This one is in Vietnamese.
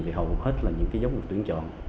thì hầu hết là những cái giống được tuyển chọn